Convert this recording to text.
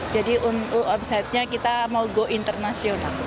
jadi untuk omsetnya kita mau go internasional